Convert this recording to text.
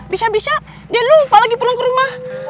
bisa bisa dia lupa lagi pulang ke rumah